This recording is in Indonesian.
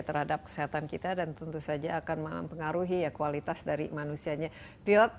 terhadap kesehatan kita dan tentu saja akan mempengaruhi ya kualitas dari manusianya piot